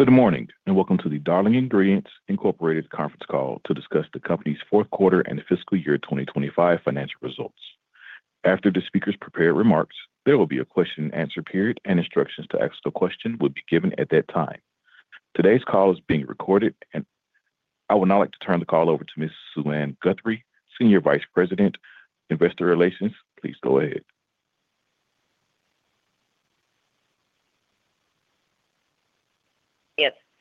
Good morning, and welcome to the Darling Ingredients Incorporated Conference Call to discuss the company's fourth quarter and fiscal year 2025 financial results. After the speakers' prepared remarks, there will be a question and answer period, and instructions to ask the question will be given at that time. Today's call is being recorded, and I would now like to turn the call over to Ms. Suann Guthrie, Senior Vice President, Investor Relations. Please go ahead.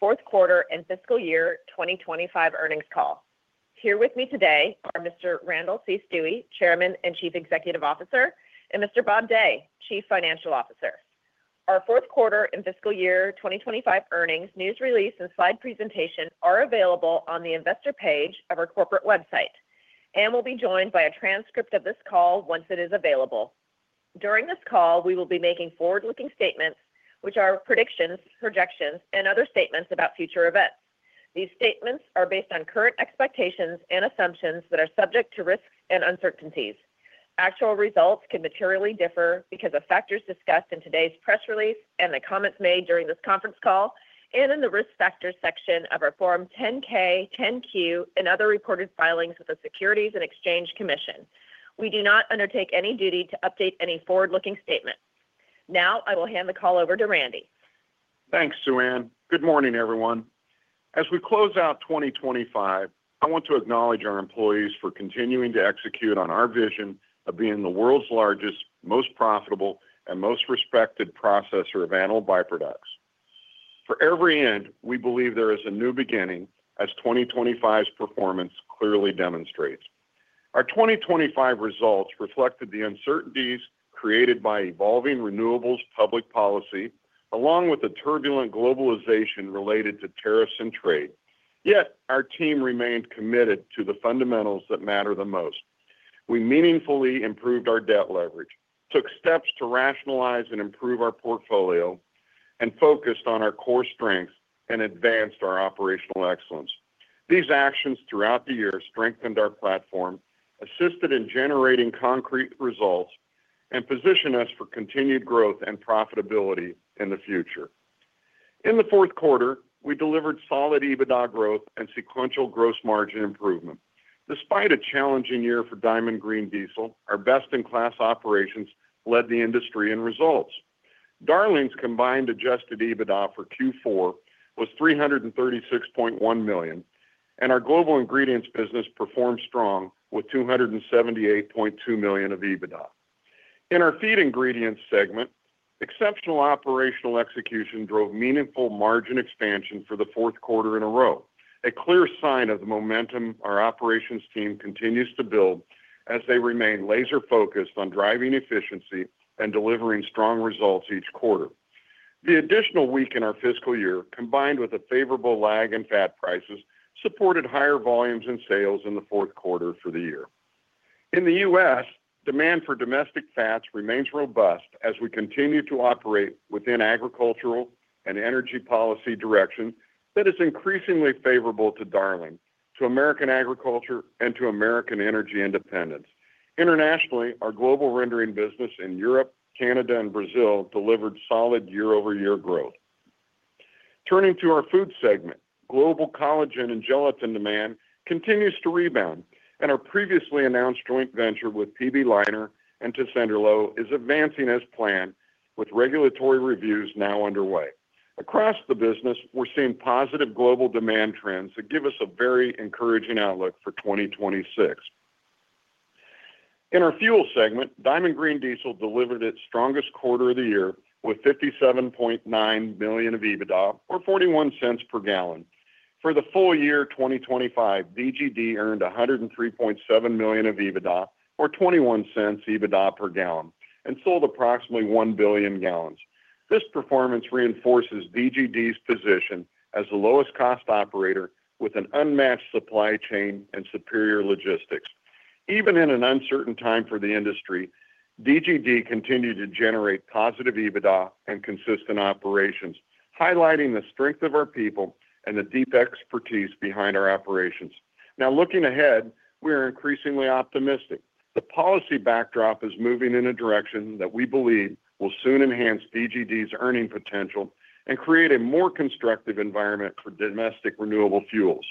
It's fourth quarter and fiscal year 2025 earnings call. Here with me today are Mr. Randall C. Stuewe, Chairman and Chief Executive Officer, and Mr. Bob Day, Chief Financial Officer. Our fourth quarter and fiscal year 2025 earnings, news release, and slide presentation are available on the investor page of our corporate website and will be joined by a transcript of this call once it is available. During this call, we will be making forward-looking statements, which are predictions, projections, and other statements about future events. These statements are based on current expectations and assumptions that are subject to risks and uncertainties. Actual results can materially differ because of factors discussed in today's press release and the comments made during this conference call, and in the Risk Factors section of our Form 10-K, 10-Q, and other reported filings with the Securities and Exchange Commission. We do not undertake any duty to update any forward-looking statement. Now, I will hand the call over to Randy. Thanks, Suann. Good morning, everyone. As we close out 2025, I want to acknowledge our employees for continuing to execute on our vision of being the world's largest, most profitable, and most respected processor of animal byproducts. For every end, we believe there is a new beginning, as 2025's performance clearly demonstrates. Our 2025 results reflected the uncertainties created by evolving renewables public policy, along with the turbulent globalization related to tariffs and trade. Yet our team remained committed to the fundamentals that matter the most. We meaningfully improved our debt leverage, took steps to rationalize and improve our portfolio, and focused on our core strengths and advanced our operational excellence. These actions throughout the year strengthened our platform, assisted in generating concrete results, and position us for continued growth and profitability in the future. In the fourth quarter, we delivered solid EBITDA growth and sequential gross margin improvement. Despite a challenging year for Diamond Green Diesel, our best-in-class operations led the industry in results. Darling's combined adjusted EBITDA for Q4 was $336.1 million, and our global ingredients business performed strong with $278.2 million of EBITDA. In our feed ingredients segment, exceptional operational execution drove meaningful margin expansion for the fourth quarter in a row, a clear sign of the momentum our operations team continues to build as they remain laser-focused on driving efficiency and delivering strong results each quarter. The additional week in our fiscal year, combined with a favorable lag in fat prices, supported higher volumes and sales in the fourth quarter for the year. In the U.S., demand for domestic fats remains robust as we continue to operate within agricultural and energy policy direction that is increasingly favorable to Darling, to American agriculture, and to American energy independence. Internationally, our global rendering business in Europe, Canada, and Brazil delivered solid year-over-year growth. Turning to our food segment, global collagen and gelatin demand continues to rebound, and our previously announced joint venture with PB Leiner and Tessenderlo is advancing as planned, with regulatory reviews now underway. Across the business, we're seeing positive global demand trends that give us a very encouraging outlook for 2026. In our fuel segment, Diamond Green Diesel delivered its strongest quarter of the year with $57.9 million of EBITDA, or $0.41 per gallon. For the full year 2025, DGD earned $103.7 million of EBITDA, or $0.21 EBITDA per gallon, and sold approximately 1 billion gallons. This performance reinforces DGD's position as the lowest cost operator with an unmatched supply chain and superior logistics. Even in an uncertain time for the industry, DGD continued to generate positive EBITDA and consistent operations, highlighting the strength of our people and the deep expertise behind our operations. Now, looking ahead, we are increasingly optimistic. The policy backdrop is moving in a direction that we believe will soon enhance DGD's earning potential and create a more constructive environment for domestic renewable fuels.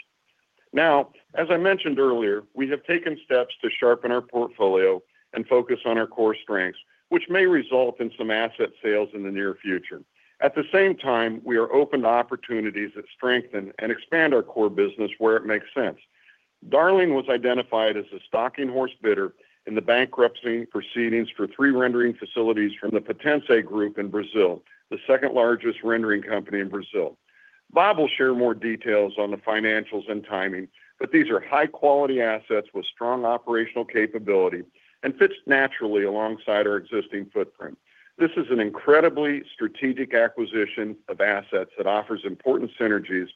Now, as I mentioned earlier, we have taken steps to sharpen our portfolio and focus on our core strengths, which may result in some asset sales in the near future. At the same time, we are open to opportunities that strengthen and expand our core business where it makes sense. Darling was identified as a stalking horse bidder in the bankruptcy proceedings for three rendering facilities from the Potencei Group in Brazil, the second-largest rendering company in Brazil. Bob will share more details on the financials and timing, but these are high-quality assets with strong operational capability and fits naturally alongside our existing footprint. This is an incredibly strategic acquisition of assets that offers important synergies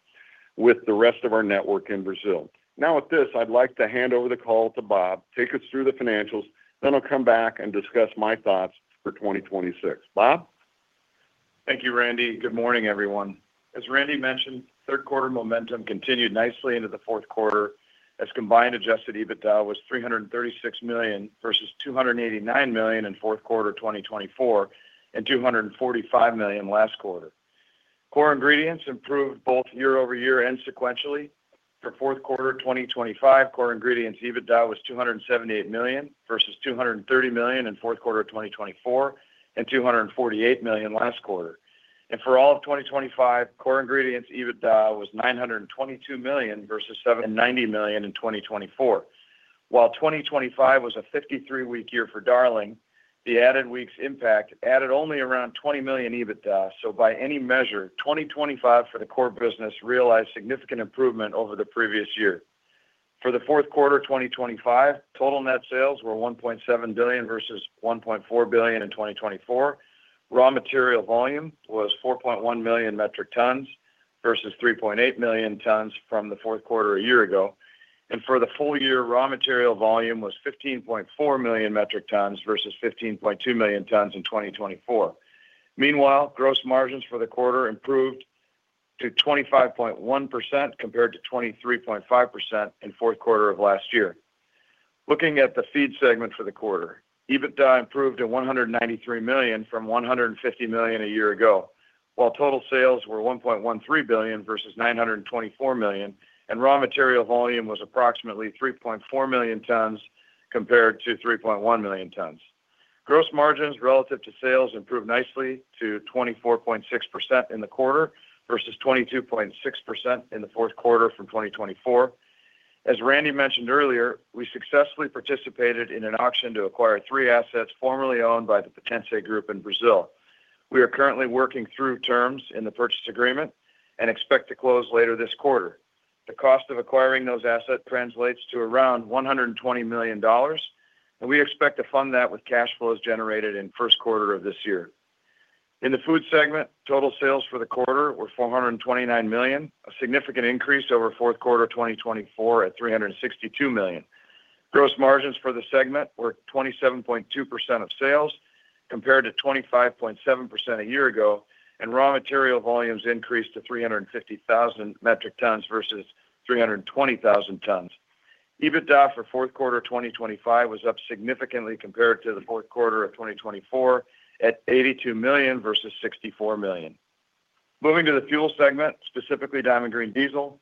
with the rest of our network in Brazil. Now, with this, I'd like to hand over the call to Bob, take us through the financials, then I'll come back and discuss my thoughts for 2026. Bob? Thank you, Randy. Good morning, everyone. As Randy mentioned, third quarter momentum continued nicely into the fourth quarter. As combined, adjusted EBITDA was $336 million versus $289 million in fourth quarter 2024, and $245 million last quarter. Core ingredients improved both year-over-year and sequentially. For fourth quarter 2025, core ingredients EBITDA was $278 million, versus $230 million in fourth quarter 2024, and $248 million last quarter. For all of 2025, core ingredients EBITDA was $922 million versus $790 million in 2024. While 2025 was a 53-week year for Darling, the added weeks impact added only around $20 million EBITDA, so by any measure, 2025 for the core business realized significant improvement over the previous year. For the fourth quarter 2025, total net sales were $1.7 billion versus $1.4 billion in 2024. Raw material volume was 4.1 million metric tons, versus 3.8 million tons from the fourth quarter a year ago. And for the full year, raw material volume was 15.4 million metric tons versus 15.2 million tons in 2024. Meanwhile, gross margins for the quarter improved to 25.1%, compared to 23.5% in fourth quarter of last year. Looking at the feed segment for the quarter, EBITDA improved to $193 million from $150 million a year ago, while total sales were $1.13 billion versus $924 million, and raw material volume was approximately 3.4 million tons compared to 3.1 million tons. Gross margins relative to sales improved nicely to 24.6% in the quarter versus 22.6% in the fourth quarter from 2024. As Randy mentioned earlier, we successfully participated in an auction to acquire three assets formerly owned by the Potencei Group in Brazil. We are currently working through terms in the purchase agreement and expect to close later this quarter. The cost of acquiring those assets translates to around $120 million, and we expect to fund that with cash flows generated in first quarter of this year. In the food segment, total sales for the quarter were $429 million, a significant increase over fourth quarter 2024 at $362 million. Gross margins for the segment were 27.2% of sales, compared to 25.7% a year ago, and raw material volumes increased to 350,000 metric tons versus 320,000 tons. EBITDA for fourth quarter 2025 was up significantly compared to the fourth quarter of 2024, at $82 million versus $64 million. Moving to the fuel segment, specifically Diamond Green Diesel,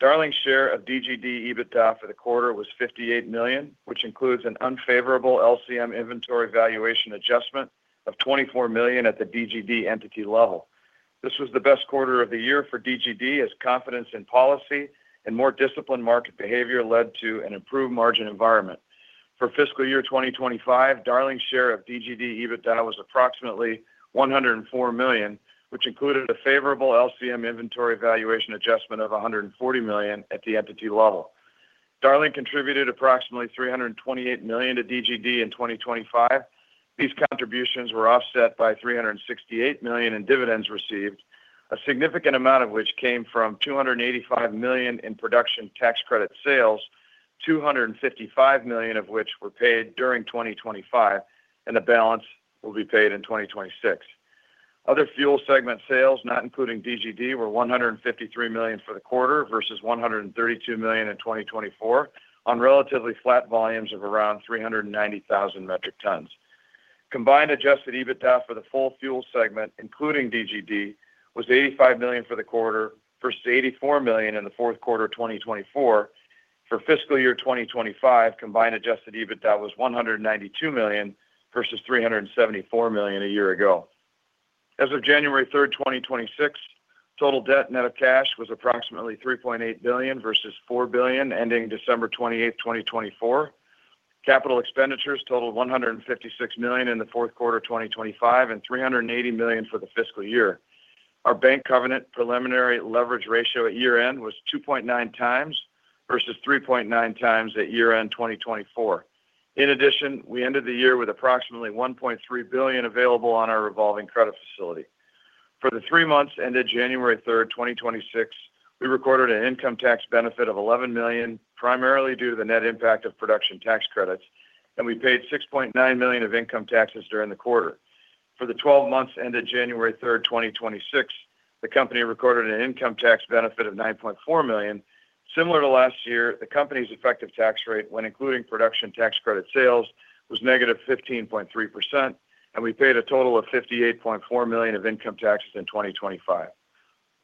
Darling's share of DGD EBITDA for the quarter was $58 million, which includes an unfavorable LCM inventory valuation adjustment of $24 million at the DGD entity level. This was the best quarter of the year for DGD, as confidence in policy and more disciplined market behavior led to an improved margin environment. For fiscal year 2025, Darling's share of DGD EBITDA was approximately $104 million, which included a favorable LCM inventory valuation adjustment of $140 million at the entity level. Darling contributed approximately $328 million to DGD in 2025. These contributions were offset by $368 million in dividends received, a significant amount of which came from $285 million in production tax credit sales, $255 million of which were paid during 2025, and the balance will be paid in 2026. Other fuel segment sales, not including DGD, were $153 million for the quarter versus $132 million in 2024, on relatively flat volumes of around 390,000 metric tons. Combined adjusted EBITDA for the full fuel segment, including DGD, was $85 million for the quarter versus $84 million in the fourth quarter of 2024. For fiscal year 2025, combined adjusted EBITDA was $192 million versus $374 million a year ago. As of January 3, 2026, total debt net of cash was approximately $3.8 billion versus $4 billion, ending December 28, 2024. Capital expenditures totaled $156 million in the fourth quarter 2025, and $380 million for the fiscal year. Our bank covenant preliminary leverage ratio at year-end was 2.9 times versus 3.9 times at year-end 2024. In addition, we ended the year with approximately $1.3 billion available on our revolving credit facility. For the three months ended January 3, 2026, we recorded an income tax benefit of $11 million, primarily due to the net impact of production tax credits, and we paid $6.9 million of income taxes during the quarter. For the 12 months ended January 3, 2026, the company recorded an income tax benefit of $9.4 million. Similar to last year, the company's effective tax rate, when including production tax credit sales, was -15.3%, and we paid a total of $58.4 million of income taxes in 2025.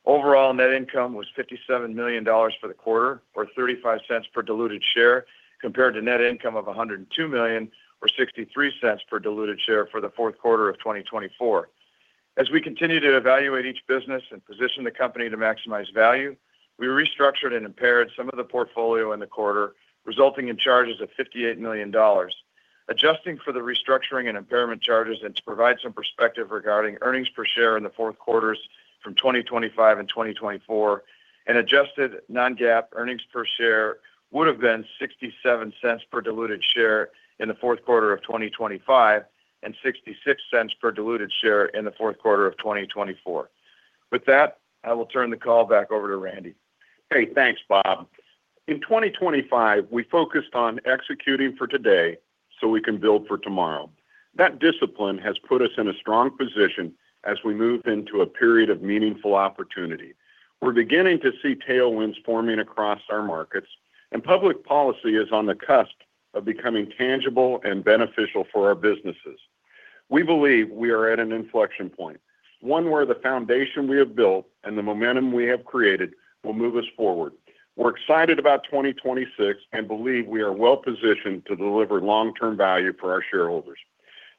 Overall, net income was $57 million for the quarter, or $0.35 per diluted share, compared to net income of $102 million, or $0.63 per diluted share for the fourth quarter of 2024. As we continue to evaluate each business and position the company to maximize value, we restructured and impaired some of the portfolio in the quarter, resulting in charges of $58 million. Adjusting for the restructuring and impairment charges and to provide some perspective regarding earnings per share in the fourth quarters from 2025 and 2024, an adjusted non-GAAP earnings per share would have been $0.67 per diluted share in the fourth quarter of 2025, and $0.66 per diluted share in the fourth quarter of 2024. With that, I will turn the call back over to Randy. Hey, thanks, Bob. In 2025, we focused on executing for today so we can build for tomorrow. That discipline has put us in a strong position as we move into a period of meaningful opportunity. We're beginning to see tailwinds forming across our markets, and public policy is on the cusp of becoming tangible and beneficial for our businesses. We believe we are at an inflection point, one where the foundation we have built and the momentum we have created will move us forward. We're excited about 2026 and believe we are well positioned to deliver long-term value for our shareholders.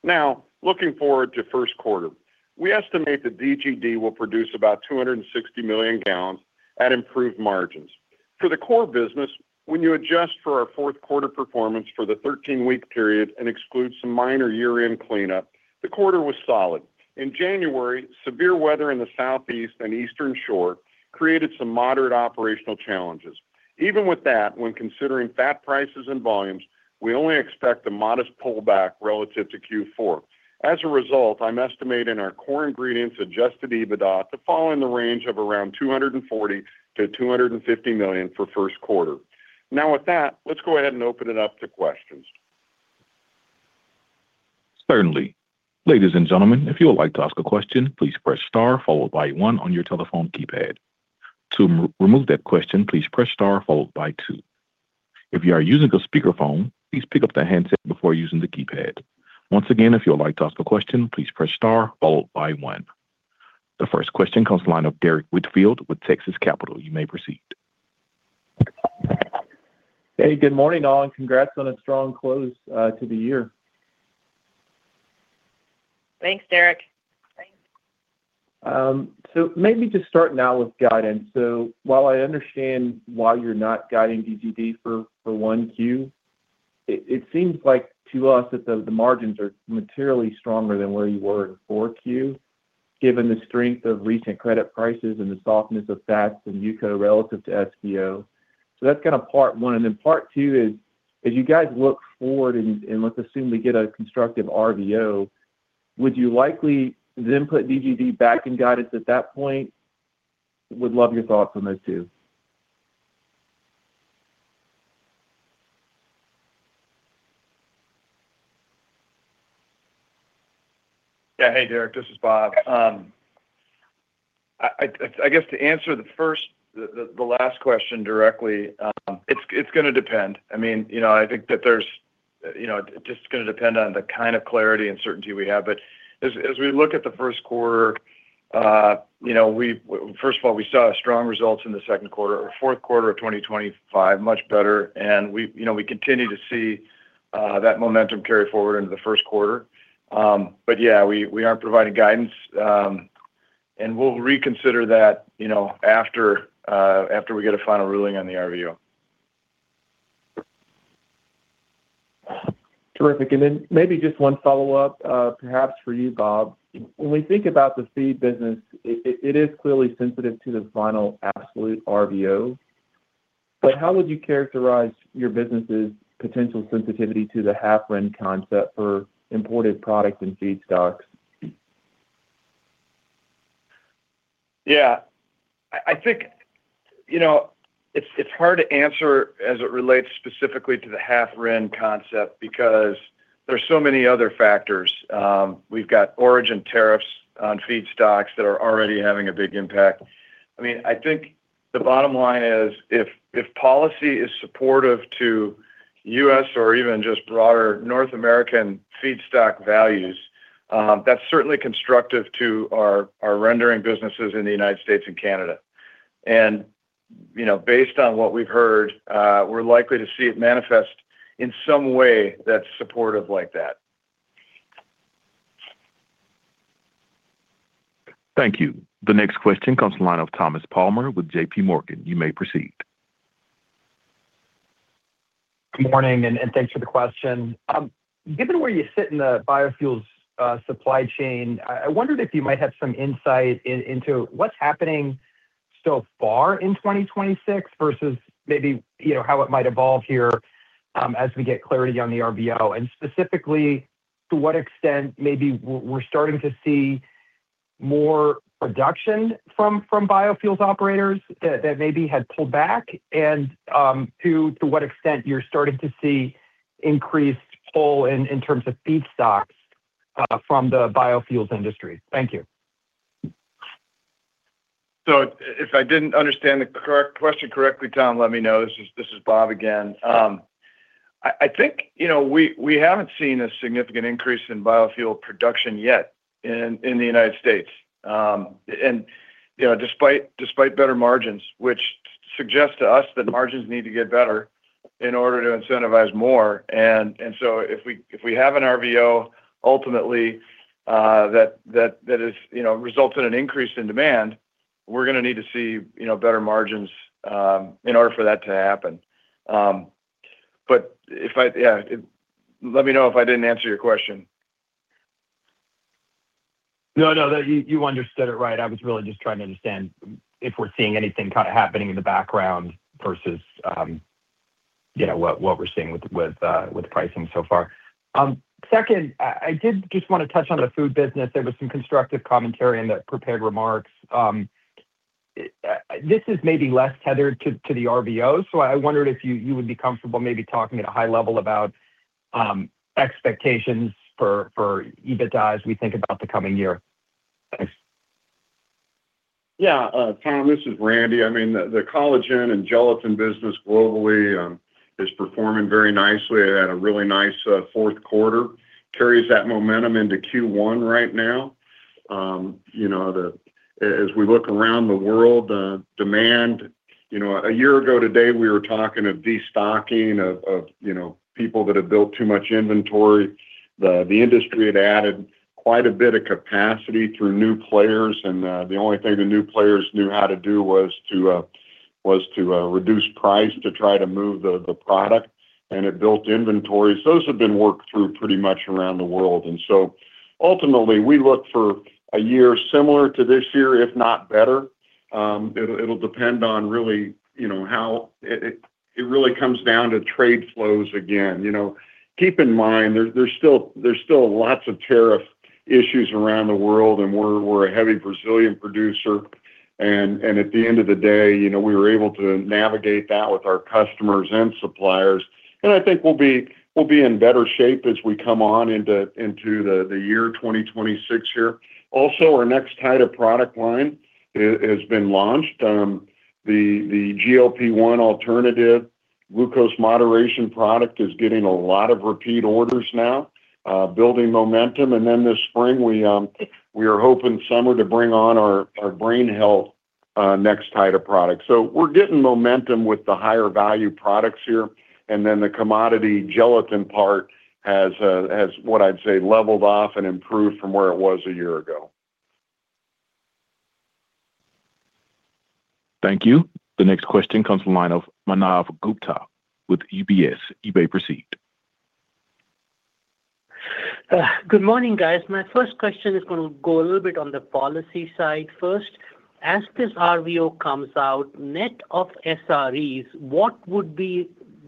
Now, looking forward to first quarter, we estimate that DGD will produce about 260 million gallons at improved margins. For the core business, when you adjust for our fourth quarter performance for the 13-week period and exclude some minor year-end cleanup, the quarter was solid. In January, severe weather in the Southeast and Eastern Shore created some moderate operational challenges. Even with that, when considering fat prices and volumes, we only expect a modest pullback relative to Q4. As a result, I'm estimating our core ingredients adjusted EBITDA to fall in the range of around $240 million-$250 million for first quarter. Now, with that, let's go ahead and open it up to questions. Certainly. Ladies and gentlemen, if you would like to ask a question, please press star followed by one on your telephone keypad. To remove that question, please press star followed by two. If you are using a speakerphone, please pick up the handset before using the keypad. Once again, if you would like to ask a question, please press star followed by one. The first question comes from the line of Derrick Whitfield with Texas Capital. You may proceed. Hey, good morning, all, and congrats on a strong close to the year. Thanks, Derrick. Thanks. So maybe just start now with guidance. So while I understand why you're not guiding DGD for one Q, it seems like to us that the margins are materially stronger than where you were in 4Q, given the strength of recent credit prices and the softness of fats and UCO relative to FBO. So that's kind of part one. And then part two is, as you guys look forward and let's assume we get a constructive RVO, would you likely then put DGD back in guidance at that point? Would love your thoughts on those two. Yeah. Hey, Derrick, this is Bob. I guess to answer the first—the last question directly, it's gonna depend. I mean, you know, I think that there's, you know, just gonna depend on the kind of clarity and certainty we have. But as we look at the first quarter, you know, we first of all saw strong results in the second quarter or fourth quarter of 2025, much better, and we, you know, we continue to see that momentum carry forward into the first quarter. But yeah, we aren't providing guidance, and we'll reconsider that, you know, after we get a final ruling on the RVO. Terrific. Then maybe just one follow-up, perhaps for you, Bob. When we think about the feed business, it is clearly sensitive to the final absolute RVO, but how would you characterize your business's potential sensitivity to the half RIN concept for imported products and feedstocks? Yeah. I think, you know, it's hard to answer as it relates specifically to the half RIN concept because there's so many other factors. We've got origin tariffs on feedstocks that are already having a big impact. I mean, I think the bottom line is if policy is supportive to U.S. or even just broader North American feedstock values, that's certainly constructive to our rendering businesses in the United States and Canada. And, you know, based on what we've heard, we're likely to see it manifest in some way that's supportive like that. Thank you. The next question comes from the line of Thomas Palmer with J.P. Morgan. You may proceed. Good morning, and thanks for the question. Given where you sit in the biofuels supply chain, I wondered if you might have some insight into what's happening so far in 2026 versus maybe, you know, how it might evolve here as we get clarity on the RVO. And specifically, to what extent maybe we're starting to see more production from biofuels operators that maybe had pulled back, and to what extent you're starting to see increased pull in terms of feedstocks from the biofuels industry. Thank you. So if I didn't understand the correct question correctly, Tom, let me know. This is, this is Bob again. I think, you know, we haven't seen a significant increase in biofuel production yet in the United States. And, you know, despite better margins, which suggests to us that margins need to get better in order to incentivize more. And so if we have an RVO ultimately that results in an increase in demand, we're gonna need to see, you know, better margins in order for that to happen. But if I. Yeah, let me know if I didn't answer your question. No, no, you understood it right. I was really just trying to understand if we're seeing anything kind of happening in the background versus, you know, what we're seeing with pricing so far. Second, I did just want to touch on the food business. There was some constructive commentary in the prepared remarks. This is maybe less tethered to the RVO, so I wondered if you would be comfortable maybe talking at a high level about expectations for EBITDA as we think about the coming year. Thanks. Yeah, Tom, this is Randy. I mean, the collagen and gelatin business globally is performing very nicely. It had a really nice fourth quarter, carries that momentum into Q1 right now. You know, as we look around the world, the demand, you know, a year ago today, we were talking of destocking, of you know, people that have built too much inventory. The industry had added quite a bit of capacity through new players, and the only thing the new players knew how to do was to reduce price to try to move the product, and it built inventories. Those have been worked through pretty much around the world, and so ultimately, we look for a year similar to this year, if not better. It'll depend on really, you know, how it really comes down to trade flows again. You know, keep in mind, there's still lots of tariff issues around the world, and we're a heavy Brazilian producer. And at the end of the day, you know, we were able to navigate that with our customers and suppliers, and I think we'll be in better shape as we come on into the year 2026 here. Also, our Nextida product line has been launched. The GLP-1 alternative glucose moderation product is getting a lot of repeat orders now, building momentum. And then this spring, we are hoping to bring on our brain health Nextida products. So we're getting momentum with the higher value products here, and then the commodity gelatin part has, what I'd say, leveled off and improved from where it was a year ago. Thank you. The next question comes from the line of Manav Gupta with UBS. You may proceed. Good morning, guys. My first question is gonna go a little bit on the policy side first. As this RVO comes out, net of SREs, what would be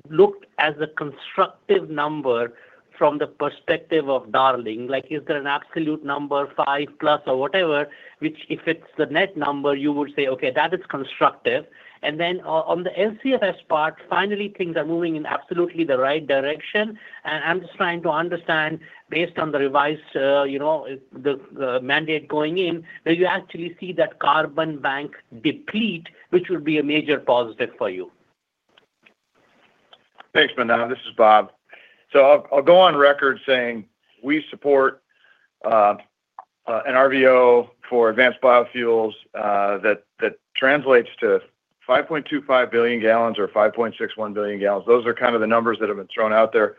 looked as a constructive number from the perspective of Darling? Like, is there an absolute number, 5+ or whatever, which if it's the net number, you would say, "Okay, that is constructive." And then on the LCFS part, finally, things are moving in absolutely the right direction. And I'm just trying to understand, based on the revised, you know, the mandate going in, do you actually see that carbon bank deplete, which will be a major positive for you? Thanks, Manav. This is Bob. So I'll go on record saying we support an RVO for advanced biofuels that translates to 5.25 billion gallons or 5.61 billion gallons. Those are kind of the numbers that have been thrown out there.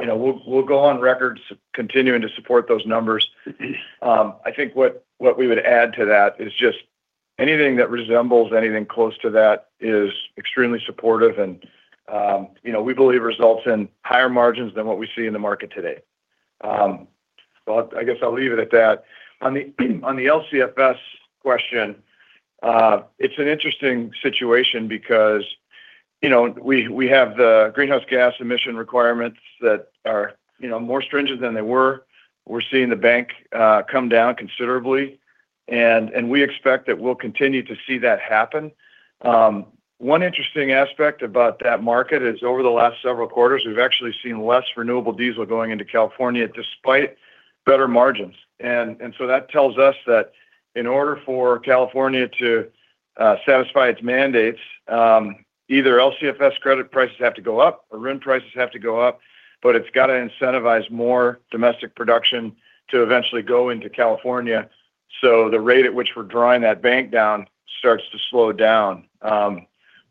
You know, we'll go on record continuing to support those numbers. I think what we would add to that is just anything that resembles anything close to that is extremely supportive and, you know, we believe results in higher margins than what we see in the market today. But I guess I'll leave it at that. On the LCFS question, it's an interesting situation because, you know, we have the greenhouse gas emission requirements that are, you know, more stringent than they were. We're seeing the bank come down considerably, and we expect that we'll continue to see that happen. One interesting aspect about that market is over the last several quarters, we've actually seen less renewable diesel going into California, despite better margins. And so that tells us that in order for California to satisfy its mandates, either LCFS credit prices have to go up or RIN prices have to go up, but it's got to incentivize more domestic production to eventually go into California, so the rate at which we're drawing that bank down starts to slow down.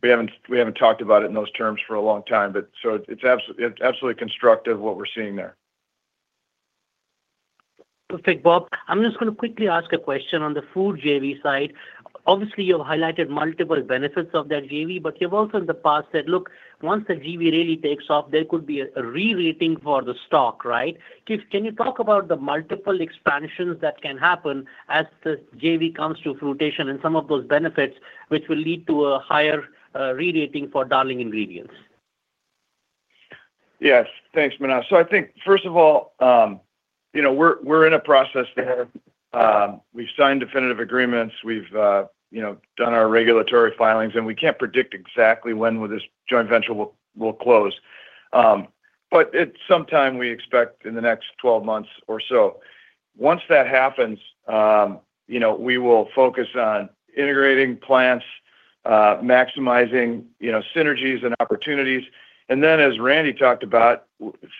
We haven't talked about it in those terms for a long time, but so it's absolutely constructive what we're seeing there. Perfect, Bob. I'm just gonna quickly ask a question on the food JV side. Obviously, you've highlighted multiple benefits of that JV, but you've also in the past said, "Look, once the JV really takes off, there could be a re-rating for the stock," right? Can you talk about the multiple expansions that can happen as the JV comes to fruition and some of those benefits, which will lead to a higher re-rating for Darling Ingredients? Yes. Thanks, Manav. So I think, first of all, you know, we're, we're in a process there. We've signed definitive agreements. We've, you know, done our regulatory filings, and we can't predict exactly when this joint venture will, will close. But it's sometime we expect in the next 12 months or so. Once that happens, you know, we will focus on integrating plants, maximizing, you know, synergies and opportunities. And then, as Randy talked about,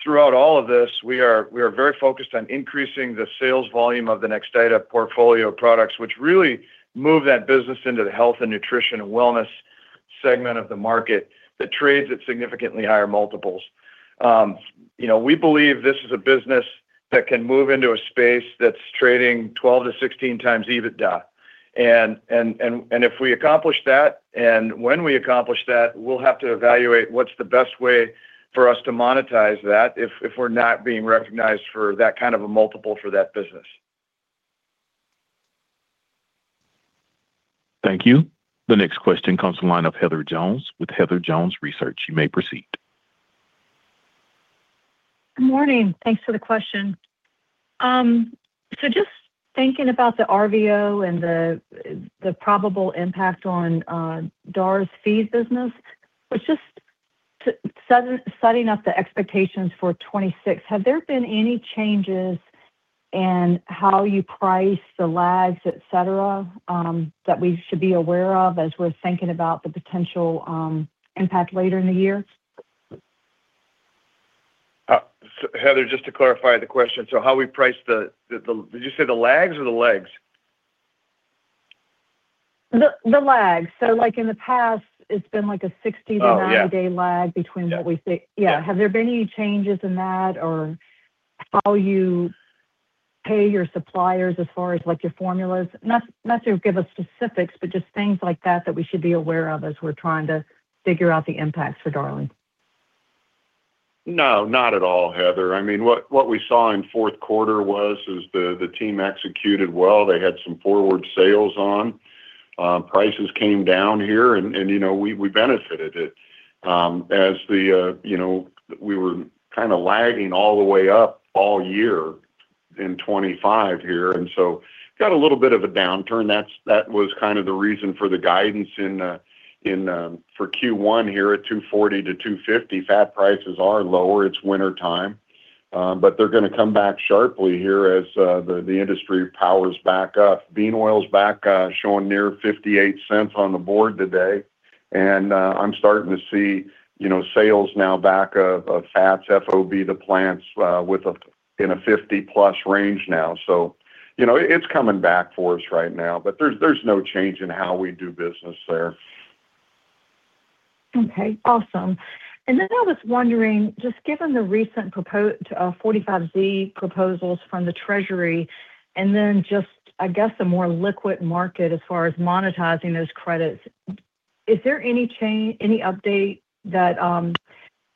throughout all of this, we are, we are very focused on increasing the sales volume of the Nextida portfolio of products, which really move that business into the health and nutrition and wellness segment of the market that trades at significantly higher multiples. You know, we believe this is a business that can move into a space that's trading 12-16x EBITDA. If we accomplish that, and when we accomplish that, we'll have to evaluate what's the best way for us to monetize that if we're not being recognized for that kind of a multiple for that business. Thank you. The next question comes from the line of Heather Jones with Heather Jones Research. You may proceed. Good morning. Thanks for the question. So just thinking about the RVO and the probable impact on DAR's feed business, but just to setting up the expectations for 2026, have there been any changes in how you price the lags, et cetera, that we should be aware of as we're thinking about the potential impact later in the year? Heather, just to clarify the question, so how we price the, did you say the lags or the legs? The lags. So like in the past, it's been like a 60 to- Oh, yeah 90-day lag between what we see. Yeah. Yeah. Have there been any changes in that or how you pay your suppliers as far as, like, your formulas? Not, not to give us specifics, but just things like that, that we should be aware of as we're trying to figure out the impacts for Darling. No, not at all, Heather. I mean, what we saw in fourth quarter was the team executed well. They had some forward sales on prices came down here and you know we benefited it. As you know we were kind of lagging all the way up all year in 2025 here and so got a little bit of a downturn. That was kind of the reason for the guidance for Q1 here at $240-$250. Fat prices are lower, it's wintertime, but they're gonna come back sharply here as the industry powers back up. Bean oil is back, showing near $0.58 on the board today, and I'm starting to see, you know, sales now back of fats, FOB the plants, in a 50+ range now. So, you know, it's coming back for us right now, but there's no change in how we do business there. Okay, awesome. And then I was wondering, just given the recent 45Z proposals from the Treasury, and then just, I guess, the more liquid market as far as monetizing those credits, is there any change, any update that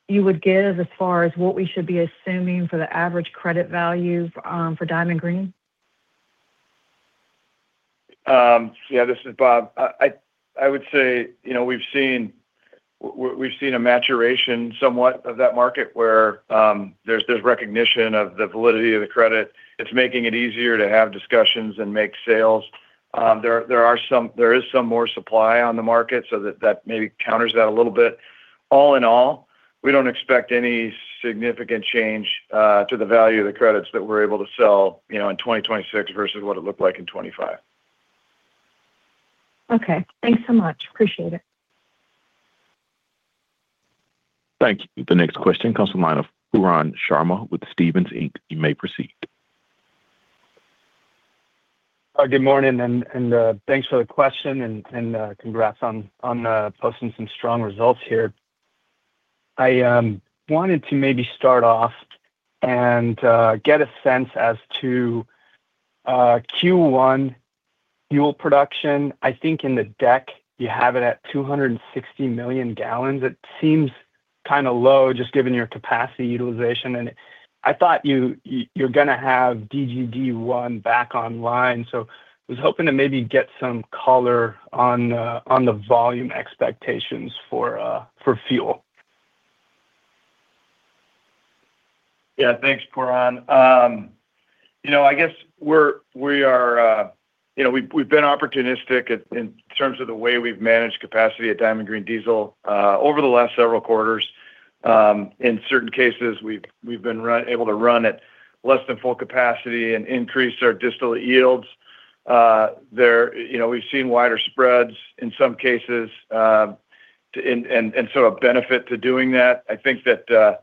you would give as far as what we should be assuming for the average credit value for Diamond Green? Yeah, this is Bob. I would say, you know, we've seen a maturation somewhat of that market where there's recognition of the validity of the credit. It's making it easier to have discussions and make sales. There is some more supply on the market, so that maybe counters that a little bit. All in all, we don't expect any significant change to the value of the credits that we're able to sell, you know, in 2026 versus what it looked like in 2025. Okay, thanks so much. Appreciate it. Thank you. The next question comes from line of Pooran Sharma with Stephens, Inc. You may proceed. Good morning, and thanks for the question, and congrats on posting some strong results here. I wanted to maybe start off and get a sense as to Q1 fuel production. I think in the deck you have it at 260 million gallons. It seems kind of low, just given your capacity utilization, and I thought you’re gonna have DGD one back online. So I was hoping to maybe get some color on the volume expectations for fuel. Yeah. Thanks, Pooran. You know, I guess we are, you know, we've, we've been opportunistic in terms of the way we've managed capacity at Diamond Green Diesel, over the last several quarters. In certain cases, we've, we've been able to run at less than full capacity and increased our distillate yields. You know, we've seen wider spreads in some cases, and so a benefit to doing that. I think that, you know,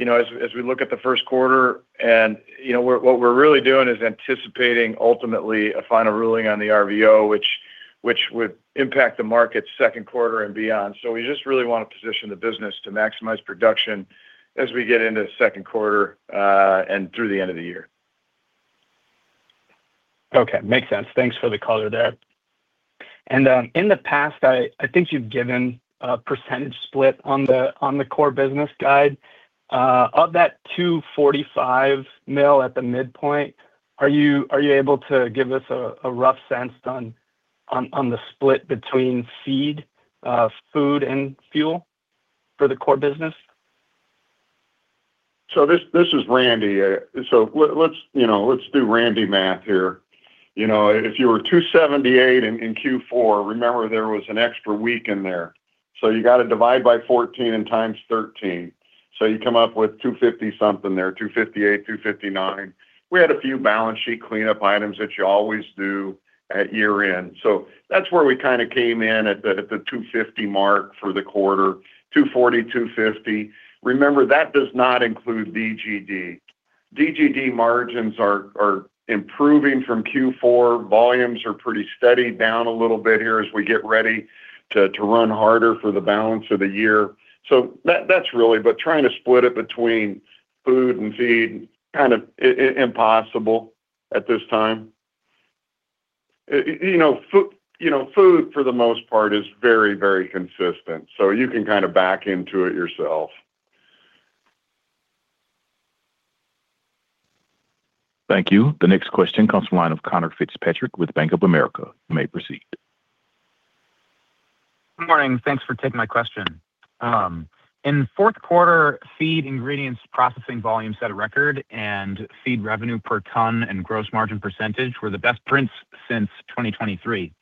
as, as we look at the first quarter and, you know, what, what we're really doing is anticipating ultimately a final ruling on the RVO, which, which would impact the market's second quarter and beyond. So we just really want to position the business to maximize production as we get into the second quarter, and through the end of the year. Okay, makes sense. Thanks for the color there. And in the past, I think you've given a percentage split on the core business guide. Of that $245 million at the midpoint, are you able to give us a rough sense on the split between feed, food, and fuel for the core business? So this, this is Randy. So let's, you know, let's do Randy math here. You know, if you were 278 in, in Q4, remember there was an extra week in there, so you got to divide by 14 and times 13. So you come up with 250 something there, 258, 259. We had a few balance sheet cleanup items that you always do at year-end. So that's where we kinda came in at the, at the 250 mark for the quarter, 240, 250. Remember, that does not include DGD. DGD margins are, are improving from Q4. Volumes are pretty steady, down a little bit here as we get ready to, to run harder for the balance of the year. So that- that's really. But trying to split it between food and feed, kind of impossible at this time. You know, food, you know, food, for the most part, is very, very consistent, so you can kind of back into it yourself. Thank you. The next question comes from the line of Connor Fitzpatrick with Bank of America. You may proceed. Good morning. Thanks for taking my question. In the fourth quarter, feed ingredients processing volume set a record, and feed revenue per ton and gross margin percentage were the best prints since 2023.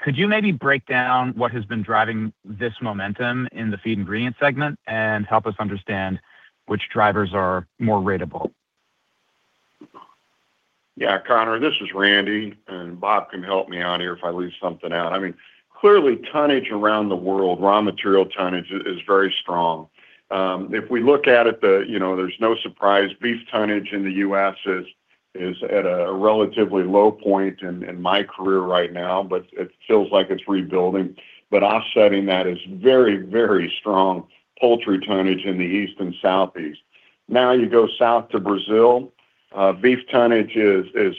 Could you maybe break down what has been driving this momentum in the feed ingredient segment and help us understand which drivers are more ratable? Yeah, Connor, this is Randy, and Bob can help me out here if I leave something out. I mean, clearly, tonnage around the world, raw material tonnage is very strong. If we look at it, you know, there's no surprise. Beef tonnage in the U.S. is at a relatively low point in my career right now, but it feels like it's rebuilding. But offsetting that is very, very strong poultry tonnage in the East and Southeast. Now, you go south to Brazil, beef tonnage is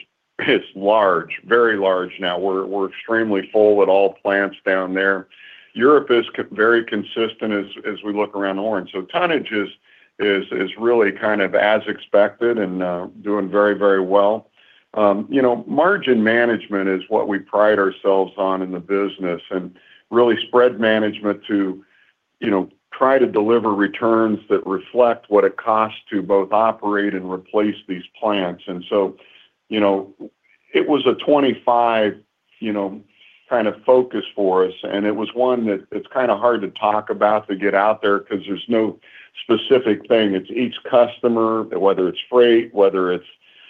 large, very large now. We're extremely full at all plants down there. Europe is very consistent as we look around Europe. So tonnage is really kind of as expected and doing very, very well. You know, margin management is what we pride ourselves on in the business and really spread management to, you know, try to deliver returns that reflect what it costs to both operate and replace these plants. And so, you know, it was a 25-year, you know, kind of focus for us, and it was one that it's kinda hard to talk about to get out there because there's no specific thing. It's each customer, whether it's freight, whether it's,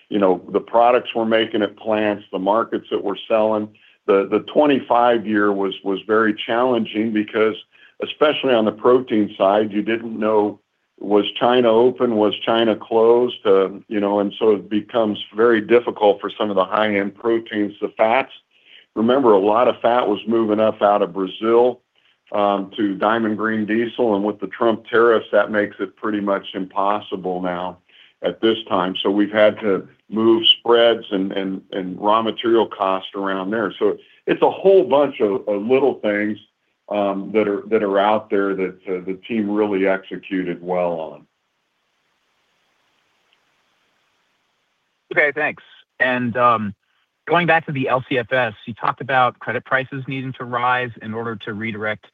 you know, the products we're making at plants, the markets that we're selling. The 25-year was very challenging because especially on the protein side, you didn't know, was China open? Was China closed? You know, and so it becomes very difficult for some of the high-end proteins, the fats. Remember, a lot of fat was moving up out of Brazil to Diamond Green Diesel, and with the Trump tariffs, that makes it pretty much impossible now at this time. So we've had to move spreads and raw material cost around there. So it's a whole bunch of little things that are out there that the team really executed well on. Okay, thanks. And, going back to the LCFS, you talked about credit prices needing to rise in order to redirect,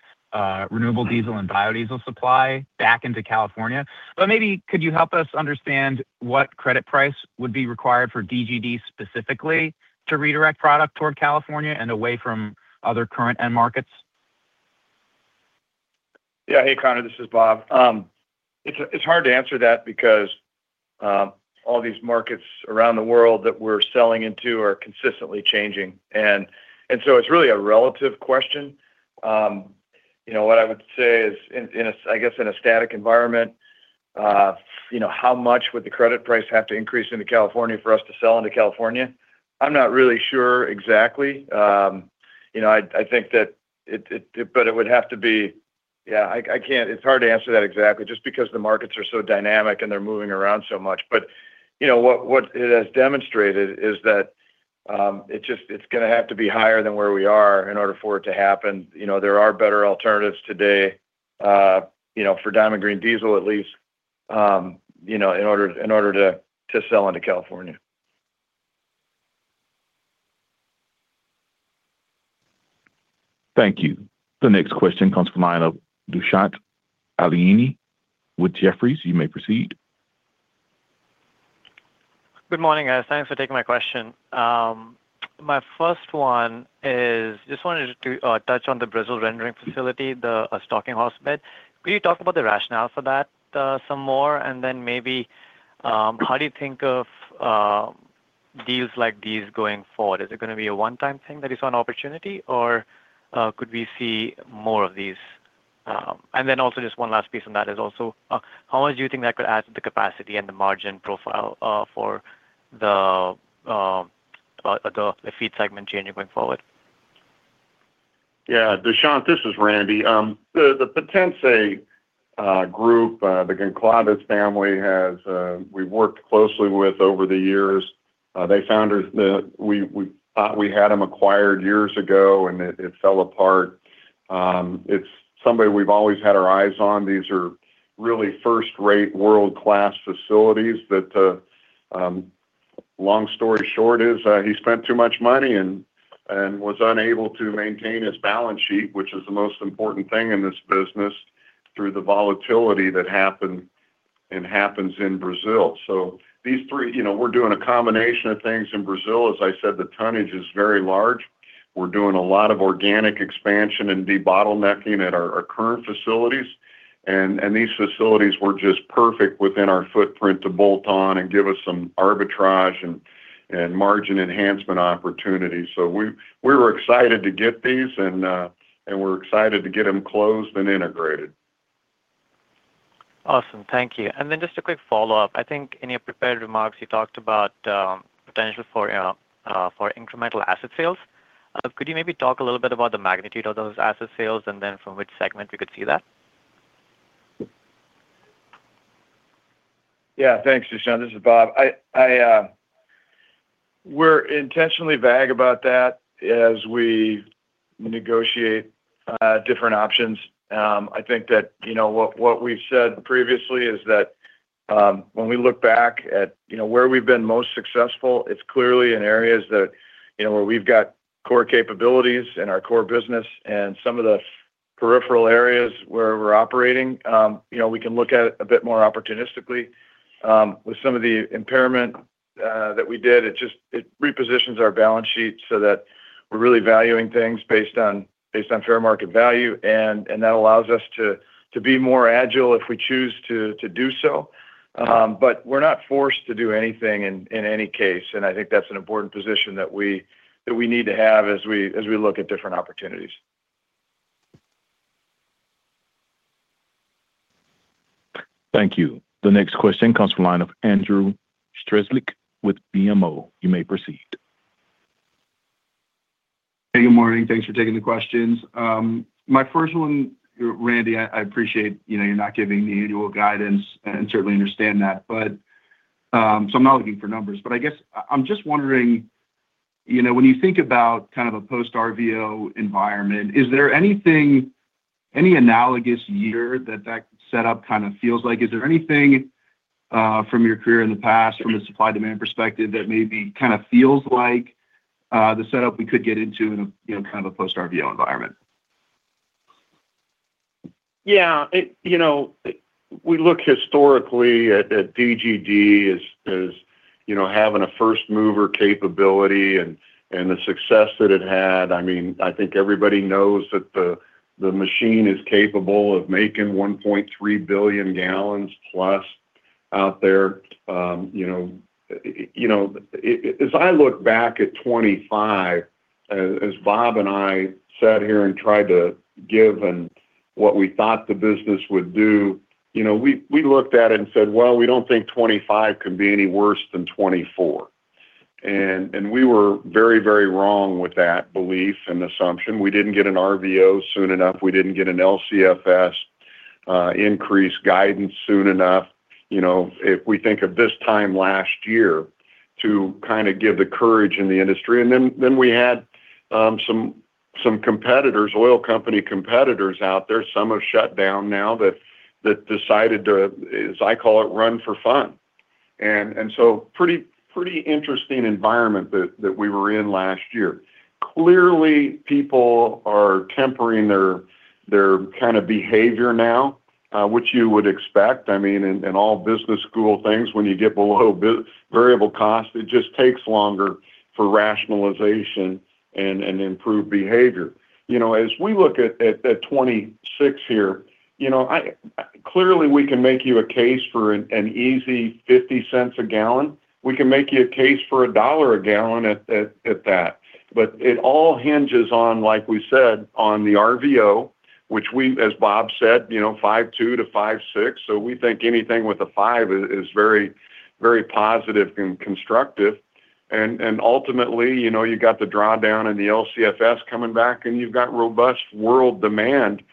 renewable diesel and biodiesel supply back into California. But maybe could you help us understand what credit price would be required for DGD specifically to redirect product toward California and away from other current end markets? Yeah. Hey, Connor, this is Bob. It's hard to answer that because all these markets around the world that we're selling into are consistently changing. And so it's really a relative question. You know, what I would say is in a—I guess in a static environment, you know, how much would the credit price have to increase into California for us to sell into California? I'm not really sure exactly. You know, I think that it—but it would have to be. Yeah, I can't—It's hard to answer that exactly just because the markets are so dynamic and they're moving around so much. But, you know, what it has demonstrated is that it just, it's gonna have to be higher than where we are in order for it to happen. You know, there are better alternatives today, you know, for Diamond Green Diesel, at least, you know, in order to sell into California. Thank you. The next question comes from the line of Dushyant Ailani with Jefferies. You may proceed. Good morning, guys. Thanks for taking my question. My first one is, just wanted to touch on the Brazil rendering facility, the stalking horse bid. Could you talk about the rationale for that, some more? And then maybe, how do you think of deals like these going forward? Is it gonna be a one-time thing that is an opportunity, or could we see more of these? And then also, just one last piece on that is also, how much do you think that could add to the capacity and the margin profile, for the feed segment changing going forward? Yeah, Dushyant, this is Randy. The Potencei group, the Gonçalves family has, we've worked closely with over the years. They founded the, we had them acquired years ago, and it fell apart. It's somebody we've always had our eyes on. These are really first-rate, world-class facilities that, long story short, he spent too much money and was unable to maintain his balance sheet, which is the most important thing in this business, through the volatility that happened and happens in Brazil. So these three, you know, we're doing a combination of things in Brazil. As I said, the tonnage is very large. We're doing a lot of organic expansion and debottlenecking at our current facilities. These facilities were just perfect within our footprint to bolt on and give us some arbitrage and margin enhancement opportunities. So we were excited to get these and we're excited to get them closed and integrated. Awesome. Thank you. And then just a quick follow-up. I think in your prepared remarks, you talked about potential for incremental asset sales. Could you maybe talk a little bit about the magnitude of those asset sales and then from which segment we could see that? Yeah. Thanks, Dushyant. This is Bob. We're intentionally vague about that as we negotiate different options. I think that, you know, what we've said previously is that- When we look back at, you know, where we've been most successful, it's clearly in areas that, you know, where we've got core capabilities in our core business and some of the peripheral areas where we're operating. You know, we can look at it a bit more opportunistically, with some of the impairment that we did. It just repositions our balance sheet so that we're really valuing things based on fair market value, and that allows us to be more agile if we choose to do so. But we're not forced to do anything in any case, and I think that's an important position that we need to have as we look at different opportunities. Thank you. The next question comes from line of Andrew Strelzik with BMO. You may proceed. Hey, good morning. Thanks for taking the questions. My first one, Randy, I appreciate, you know, you're not giving the annual guidance and certainly understand that, but. So I'm not looking for numbers. But I guess I'm just wondering, you know, when you think about kind of a post-RVO environment, is there anything, any analogous year that that setup kind of feels like? Is there anything from your career in the past, from a supply-demand perspective, that maybe kind of feels like the setup we could get into in a, you know, kind of a post-RVO environment? Yeah, it. You know, we look historically at DGD as, you know, having a first-mover capability and the success that it had. I mean, I think everybody knows that the machine is capable of making 1.3 billion gallons plus out there. You know, as I look back at 2025, as Bob and I sat here and tried to give and what we thought the business would do, you know, we looked at it and said: "Well, we don't think 2025 can be any worse than 2024." And we were very, very wrong with that belief and assumption. We didn't get an RVO soon enough. We didn't get an LCFS increase guidance soon enough. You know, if we think of this time last year to kind of give the courage in the industry, and then we had some competitors, oil company competitors out there, some are shut down now, that decided to, as I call it, run for fun. And so pretty interesting environment that we were in last year. Clearly, people are tempering their kind of behavior now, which you would expect. I mean, in all business school things, when you get below variable cost, it just takes longer for rationalization and improved behavior. You know, as we look at 2026 here, you know, I clearly, we can make you a case for an easy $0.50 a gallon. We can make you a case for $1 a gallon at that. But it all hinges on, like we said, on the RVO, which we, as Bob said, you know, 52 to 56. So we think anything with a five is, is very, very positive and constructive. And, and ultimately, you know, you got the drawdown and the LCFS coming back, and you've got robust world demand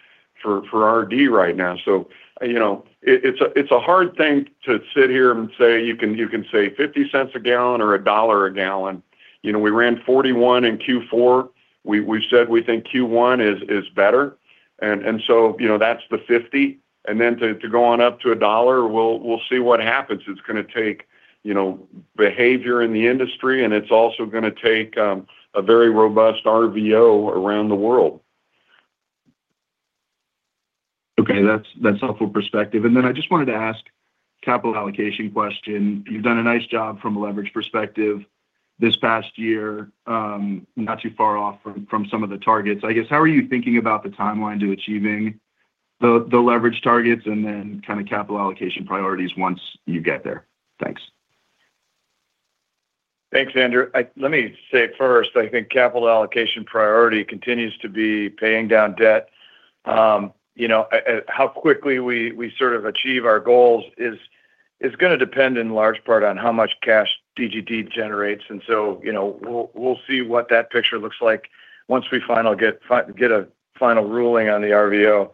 for, for RD right now. So, you know, it, it's a, it's a hard thing to sit here and say. You can, you can say $0.50 a gallon or $1 a gallon. You know, we ran $0.41 in Q4. We, we said we think Q1 is, is better. And, and so, you know, that's the $0.50, and then to, to go on up to a dollar, we'll, we'll see what happens. It's gonna take, you know, behavior in the industry, and it's also gonna take a very robust RVO around the world. Okay. That's, that's helpful perspective. And then I just wanted to ask capital allocation question. You've done a nice job from a leverage perspective this past year, not too far off from, from some of the targets. I guess, how are you thinking about the timeline to achieving the, the leverage targets and then kind of capital allocation priorities once you get there? Thanks. Thanks, Andrew. Let me say first, I think capital allocation priority continues to be paying down debt. You know, how quickly we sort of achieve our goals is gonna depend in large part on how much cash DGD generates, and so, you know, we'll see what that picture looks like once we get a final ruling on the RVO.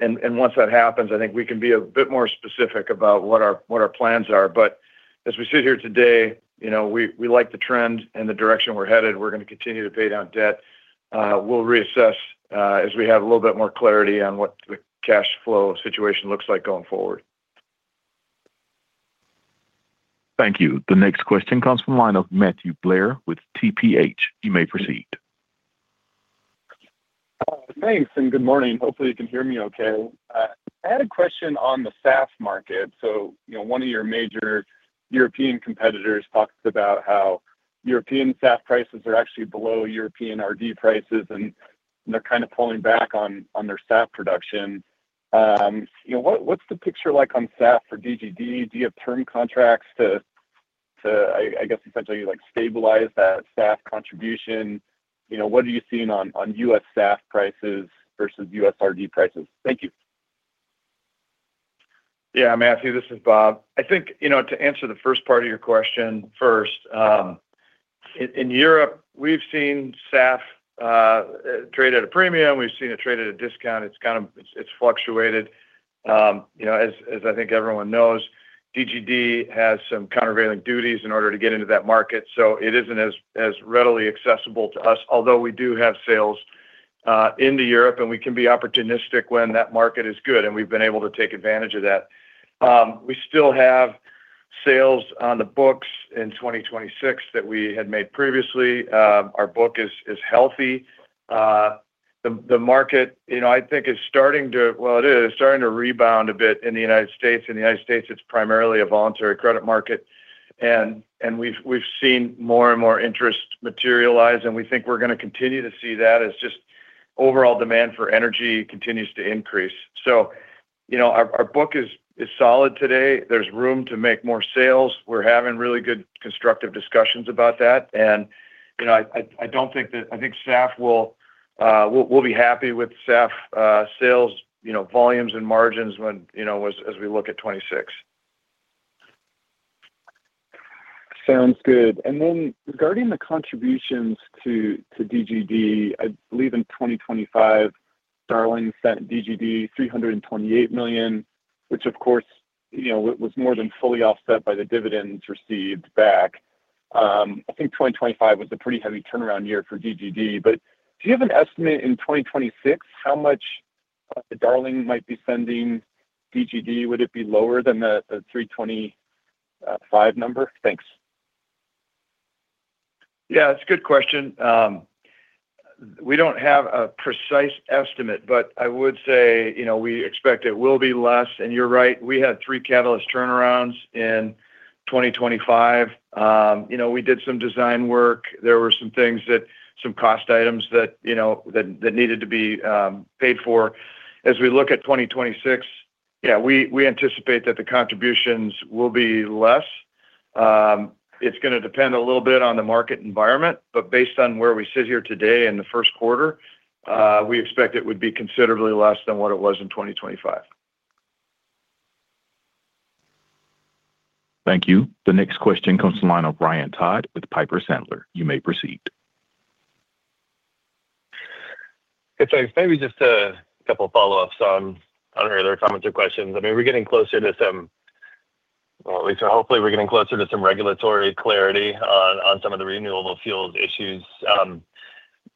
And once that happens, I think we can be a bit more specific about what our plans are. But as we sit here today, you know, we like the trend and the direction we're headed. We're gonna continue to pay down debt. We'll reassess as we have a little bit more clarity on what the cash flow situation looks like going forward. Thank you. The next question comes from the line of Matthew Blair with TPH. You may proceed. Thanks, and good morning. Hopefully, you can hear me okay. I had a question on the SAF market. So, you know, one of your major European competitors talks about how European SAF prices are actually below European RD prices, and they're kind of pulling back on, on their SAF production. You know, what, what's the picture like on SAF for DGD? Do you have term contracts to, to, I, I guess, essentially, like, stabilize that SAF contribution? You know, what are you seeing on, on U.S. SAF prices versus U.S. RD prices? Thank you. Yeah, Matthew, this is Bob. I think, you know, to answer the first part of your question first, in Europe, we've seen SAF trade at a premium, we've seen it trade at a discount. It's kind of. It's, it's fluctuated. You know, as I think everyone knows, DGD has some countervailing duties in order to get into that market, so it isn't as readily accessible to us, although we do have sales. Into Europe, and we can be opportunistic when that market is good, and we've been able to take advantage of that. We still have sales on the books in 2026 that we had made previously. Our book is healthy. The market, you know, I think is starting to. Well, it is starting to rebound a bit in the United States. In the United States, it's primarily a voluntary credit market, and we've seen more and more interest materialize, and we think we're gonna continue to see that as just overall demand for energy continues to increase. So, you know, our book is solid today. There's room to make more sales. We're having really good constructive discussions about that, and, you know, I don't think that—I think SAF will, we'll be happy with SAF sales, you know, volumes and margins when, you know, as we look at 2026. Sounds good. Then regarding the contributions to DGD, I believe in 2025, Darling sent DGD $328 million, which, of course, you know, was more than fully offset by the dividends received back. I think 2025 was a pretty heavy turnaround year for DGD, but do you have an estimate in 2026, how much Darling might be sending DGD? Would it be lower than the 325 number? Thanks. Yeah, it's a good question. We don't have a precise estimate, but I would say, you know, we expect it will be less, and you're right, we had three catalyst turnarounds in 2025. You know, we did some design work. There were some things that, some cost items that, you know, that needed to be paid for. As we look at 2026, yeah, we anticipate that the contributions will be less. It's gonna depend a little bit on the market environment, but based on where we sit here today in the first quarter, we expect it would be considerably less than what it was in 2025. Thank you. The next question comes from the line of Ryan Todd with Piper Sandler. You may proceed. Hey, so maybe just a couple follow-ups on other comments or questions. I mean, we're getting closer to some, well, at least hopefully we're getting closer to some regulatory clarity on some of the renewable fuels issues.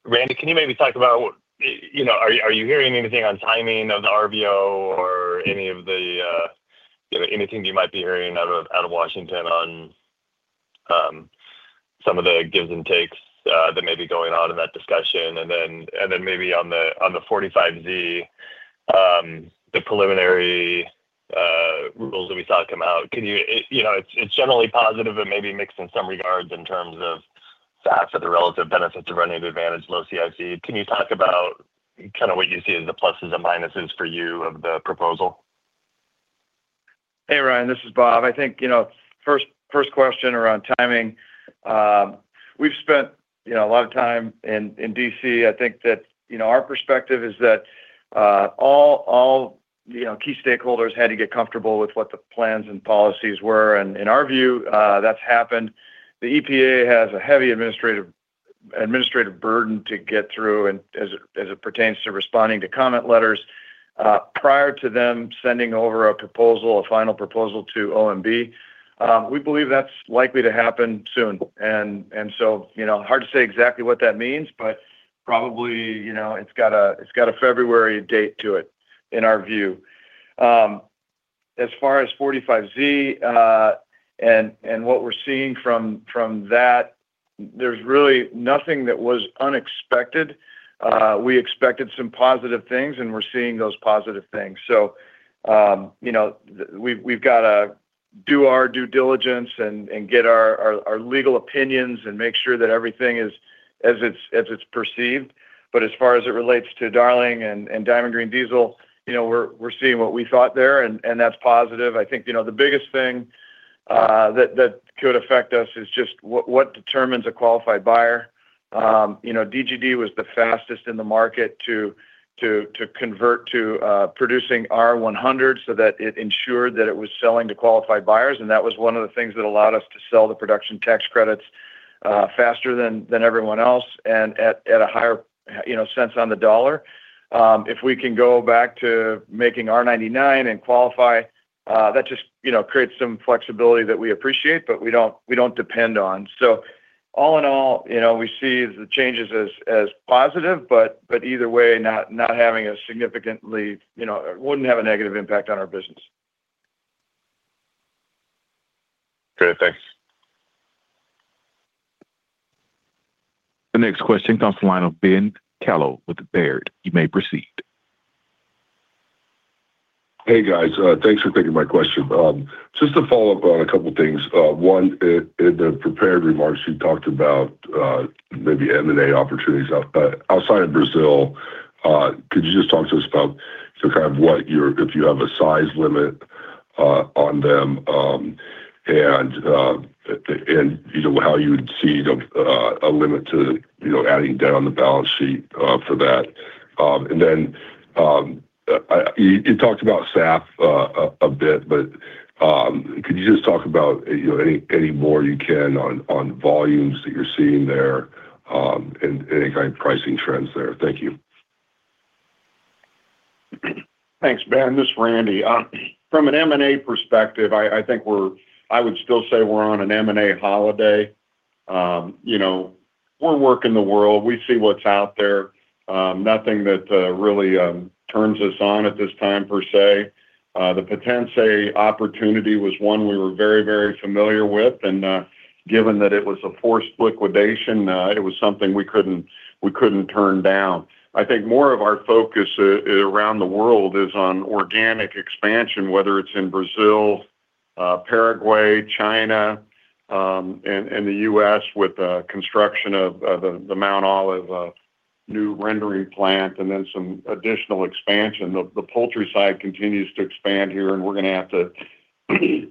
Randy, can you maybe talk about what, you know. Are you hearing anything on timing of the RVO or any of the, you know, anything you might be hearing out of Washington on some of the gives and takes that may be going on in that discussion? And then maybe on the, on the 45Z, the preliminary rules that we saw come out, can you, you know, it's generally positive but maybe mixed in some regards in terms of factors or the relative benefits of running advantaged low CI. Can you talk about kinda what you see as the pluses and minuses for you of the proposal? Hey, Ryan, this is Bob. I think, you know, first, first question around timing. We've spent, you know, a lot of time in, in D.C. I think that, you know, our perspective is that, all, all, you know, key stakeholders had to get comfortable with what the plans and policies were, and in our view, that's happened. The EPA has a heavy administrative, administrative burden to get through and as it, as it pertains to responding to comment letters, prior to them sending over a proposal, a final proposal to OMB. We believe that's likely to happen soon. And, and so, you know, hard to say exactly what that means, but probably, you know, it's got a, it's got a February date to it, in our view. As far as 45Z, and what we're seeing from that, there's really nothing that was unexpected. We expected some positive things, and we're seeing those positive things. So, you know, we've got to do our due diligence and get our legal opinions and make sure that everything is as it's perceived. But as far as it relates to Darling and Diamond Green Diesel, you know, we're seeing what we thought there, and that's positive. I think, you know, the biggest thing that could affect us is just what determines a qualified buyer. You know, DGD was the fastest in the market to convert to producing R-100 so that it ensured that it was selling to qualified buyers, and that was one of the things that allowed us to sell the production tax credits faster than everyone else and at a higher, you know, cents on the dollar. If we can go back to making R-99 and qualify, that just, you know, creates some flexibility that we appreciate, but we don't depend on. So all in all, you know, we see the changes as positive, but either way, not having a significantly, you know, it wouldn't have a negative impact on our business. Great. Thanks. The next question comes from the line of Ben Kallo with Baird. You may proceed. Hey, guys. Thanks for taking my question. Just to follow up on a couple of things. One, in the prepared remarks, you talked about maybe M&A opportunities outside of Brazil. Could you just talk to us about so kind of what your—if you have a size limit on them, and you know, how you'd see the limit to you know, adding debt on the balance sheet for that? And then, you talked about SAF a bit, but could you just talk about you know, any more you can on volumes that you're seeing there, and any kind of pricing trends there? Thank you. Thanks, Ben. This is Randy. From an M&A perspective, I think we're—I would still say we're on an M&A holiday. You know, we're working the world. We see what's out there. Nothing that really turns us on at this time, per se. The Potencei opportunity was one we were very, very familiar with, and given that it was a forced liquidation, it was something we couldn't turn down. I think more of our focus around the world is on organic expansion, whether it's in Brazil, Paraguay, China, and the U.S. with the construction of the Mount Olive new rendering plant and then some additional expansion. The poultry side continues to expand here, and we're gonna have to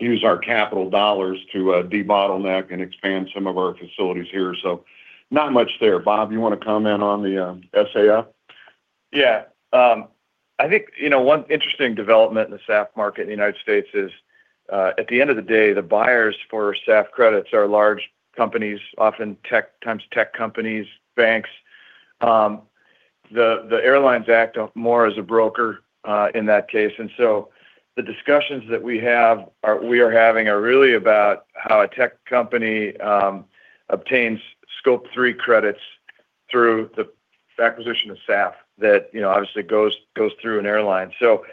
use our capital dollars to debottleneck and expand some of our facilities here. So not much there. Bob, you want to comment on the SAF? Yeah. I think, you know, one interesting development in the SAF market in the United States is, at the end of the day, the buyers for SAF credits are large companies, often tech, times tech companies, banks. The airlines act more as a broker in that case. And so the discussions that we are having are really about how a tech company obtains scope III credits through the acquisition of SAF that, you know, obviously goes through an airline. So,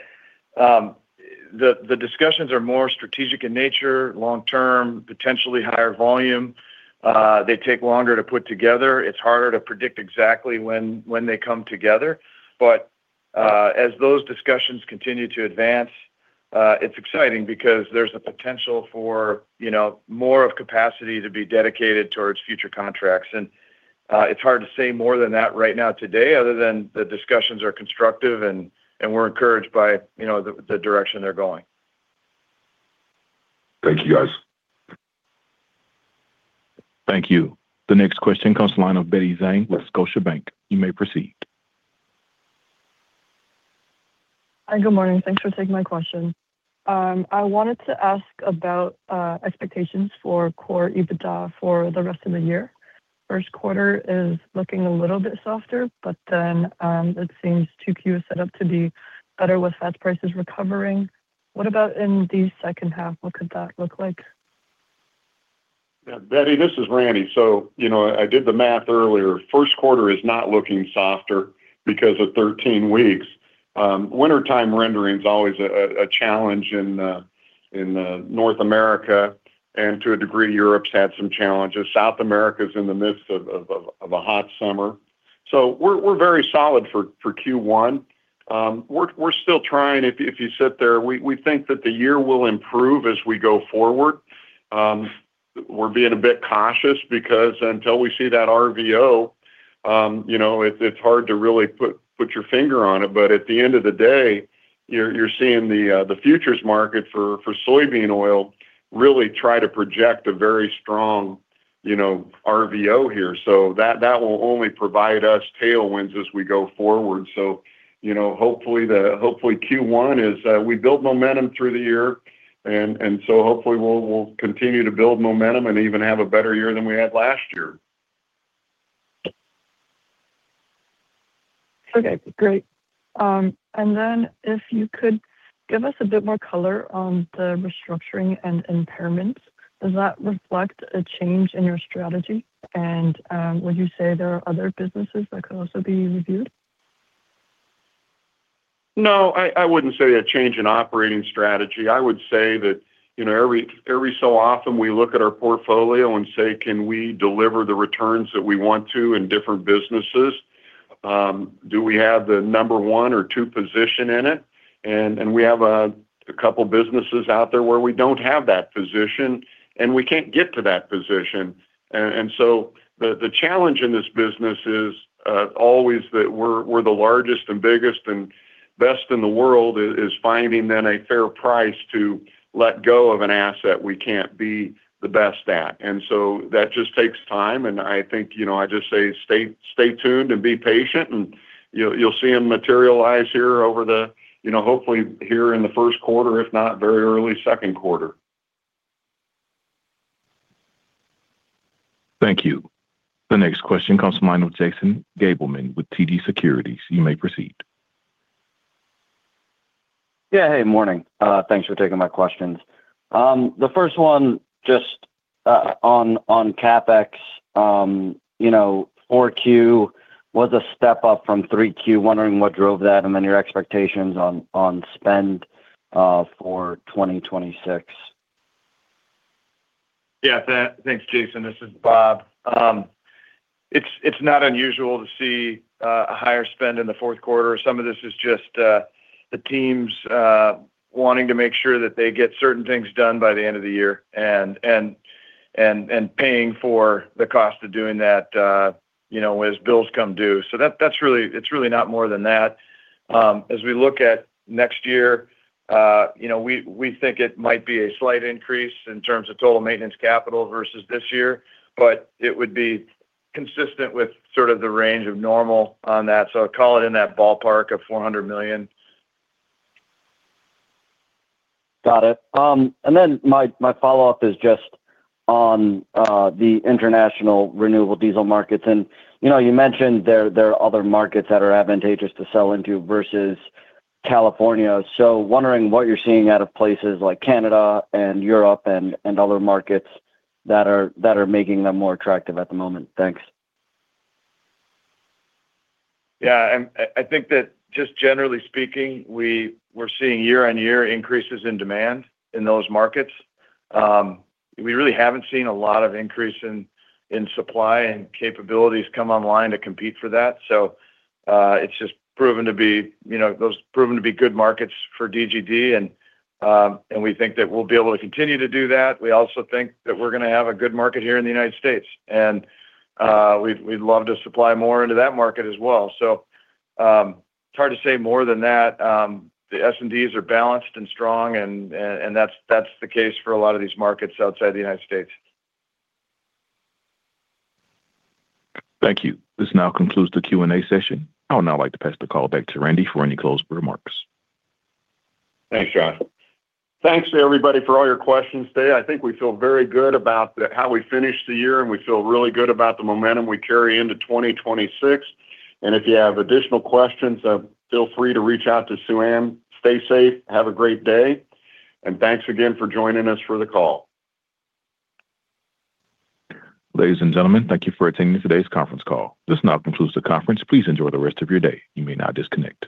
the discussions are more strategic in nature, long term, potentially higher volume. They take longer to put together. It's harder to predict exactly when they come together. But, as those discussions continue to advance, it's exciting because there's a potential for, you know, more of capacity to be dedicated towards future contracts. It's hard to say more than that right now today, other than the discussions are constructive and we're encouraged by, you know, the direction they're going. Thank you, guys. Thank you. The next question comes from the line of Betty Zhang with Scotiabank. You may proceed. Hi, good morning. Thanks for taking my question. I wanted to ask about expectations for core EBITDA for the rest of the year. First quarter is looking a little bit softer, but then it seems 2Q is set up to be better with fat prices recovering. What about in the second half? What could that look like? Yeah, Betty, this is Randy. So, you know, I did the math earlier. First quarter is not looking softer because of 13 weeks. Wintertime rendering is always a challenge in North America, and to a degree, Europe's had some challenges. South America is in the midst of a hot summer. So we're very solid for Q1. We're still trying, if you sit there, we think that the year will improve as we go forward. We're being a bit cautious because until we see that RVO, you know, it's hard to really put your finger on it. But at the end of the day, you're seeing the futures market for soybean oil really try to project a very strong RVO here. So that will only provide us tailwinds as we go forward. So, you know, hopefully Q1 is we build momentum through the year, and, and so hopefully we'll, we'll continue to build momentum and even have a better year than we had last year. Okay, great. And then if you could give us a bit more color on the restructuring and impairments, does that reflect a change in your strategy? And, would you say there are other businesses that could also be reviewed? No, I wouldn't say a change in operating strategy. I would say that, you know, every so often we look at our portfolio and say: "Can we deliver the returns that we want to in different businesses? Do we have the number one or two position in it?" And we have a couple businesses out there where we don't have that position, and we can't get to that position. And so the challenge in this business is always that we're the largest and biggest and best in the world, is finding then a fair price to let go of an asset we can't be the best at. So that just takes time, and I think, you know, I just say, stay, stay tuned and be patient, and you'll, you'll see them materialize here over the, you know, hopefully here in the first quarter, if not very early second quarter. Thank you. The next question comes from the line of Jason Gabelman with TD Securities. You may proceed. Yeah. Hey, morning. Thanks for taking my questions. The first one, just, on CapEx, you know, 4Q was a step up from 3Q. Wondering what drove that, and then your expectations on spend for 2026. Yeah. Thanks, Jason. This is Bob. It's not unusual to see a higher spend in the fourth quarter. Some of this is just the teams wanting to make sure that they get certain things done by the end of the year and paying for the cost of doing that, you know, as bills come due. So that's really. It's really not more than that. As we look at next year, you know, we think it might be a slight increase in terms of total maintenance capital versus this year, but it would be consistent with sort of the range of normal on that. So call it in that ballpark of $400 million. Got it. And then my follow-up is just on the international renewable diesel markets. And, you know, you mentioned there are other markets that are advantageous to sell into versus California. So wondering what you're seeing out of places like Canada and Europe and other markets that are making them more attractive at the moment. Thanks. Yeah, and I think that just generally speaking, we're seeing year-on-year increases in demand in those markets. We really haven't seen a lot of increase in supply and capabilities come online to compete for that. So, it's just proven to be, you know, those proven to be good markets for DGD, and we think that we'll be able to continue to do that. We also think that we're gonna have a good market here in the United States, and we'd love to supply more into that market as well. So, it's hard to say more than that. The S&Ds are balanced and strong, and that's the case for a lot of these markets outside the United States. Thank you. This now concludes the Q&A session. I would now like to pass the call back to Randy for any closing remarks. Thanks, Josh. Thanks to everybody for all your questions today. I think we feel very good about how we finished the year, and we feel really good about the momentum we carry into 2026. If you have additional questions, feel free to reach out to Suann. Stay safe, have a great day, and thanks again for joining us for the call. Ladies and gentlemen, thank you for attending today's conference call. This now concludes the conference. Please enjoy the rest of your day. You may now disconnect.